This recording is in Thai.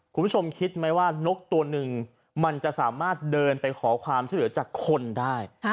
คุณผู้ชมคิดไหมว่านกตัวหนึ่งมันจะสามารถเดินไปขอความช่วยเหลือจากคนได้